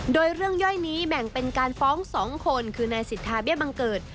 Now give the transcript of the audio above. โดยเรื่องย่อยนี้แบ่งเป็นการฟ้อง๒คนคือนายสิทธาเบี้ยบังเกิด